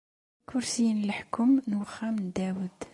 Ikersiyen n leḥkwem n uxxam n Dawed.